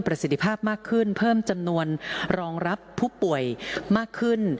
สิทธิภาพมากขึ้นเพิ่มจำนวนรองรับผู้ป่วยมากขึ้น